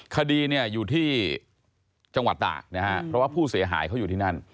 คดีเนี่ยอยู่ที่จังหวัดตากนะฮะเพราะว่าผู้เสียหายเขาอยู่ที่นั่น